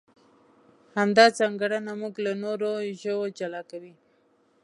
همدا ځانګړنه موږ له نورو ژوو جلا کوي.